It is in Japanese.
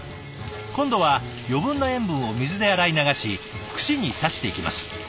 今度は余分な塩分を水で洗い流し串に刺していきます。